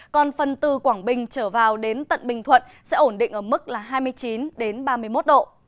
còn phần từ quảng bình trở vào đến tận bình thuận sẽ ổn định ở mức hai mươi chín ba mươi một độ